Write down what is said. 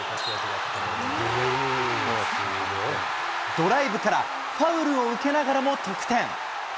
ドライブからファウルを受けながらも得点。